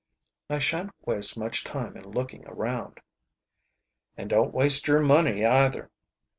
"I shan't waste much time in looking around." "And don't waste your money either.